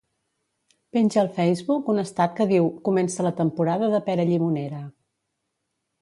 Penja al Facebook un estat que diu "comença la temporada de pera llimonera".